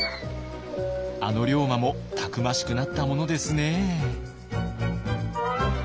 あの龍馬もたくましくなったものですね。